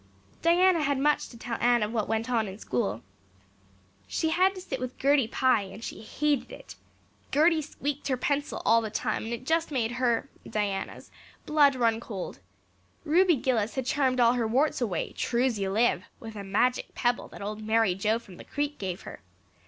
Diana had much to tell Anne of what went on in school. She had to sit with Gertie Pye and she hated it; Gertie squeaked her pencil all the time and it just made her Diana's blood run cold; Ruby Gillis had charmed all her warts away, true's you live, with a magic pebble that old Mary Joe from the Creek gave her.